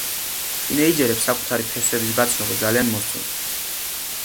თინეიჯერებს საკუთარი ფესვების გაცნობა ძალიან მოსწონთ.